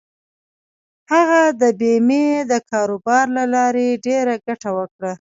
هغه د بېمې د کاروبار له لارې ډېره ګټه وکړه.